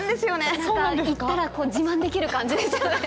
行ったら自慢できる感じですよね。